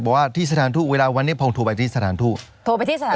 เพราะว่าที่สถานทูตเวลาวันนี้ผมโทรไปที่สถานทูต